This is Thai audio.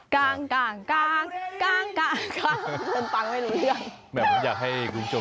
อยากให้คุณผู้ชมดูกันนะครับ